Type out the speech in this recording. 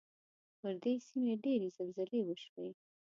پر دې سیمې ډېرې زلزلې وشوې.